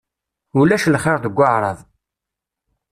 Ulac lxir deg Waɛrab.